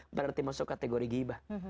berarti masuk kategori ribah